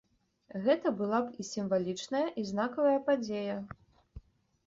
Гэта была б сімвалічная і знакавая падзея.